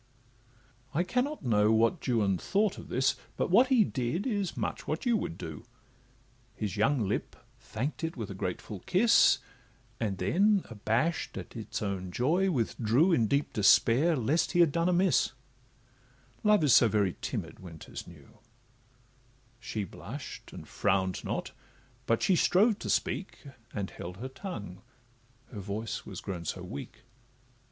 I cannot know what Juan thought of this, But what he did, is much what you would do; His young lip thank'd it with a grateful kiss, And then, abash'd at its own joy, withdrew In deep despair, lest he had done amiss,— Love is so very timid when 'tis new: She blush'd, and frown'd not, but she strove to speak, And held her tongue, her voice was grown so weak.